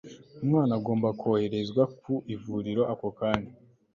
umwana agomba koherezwa ku ivuriro ako kanya